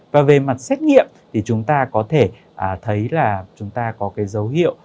và về mặt xét nghiệm thì chúng ta có thể thấy là chúng ta có cái dấu hiệu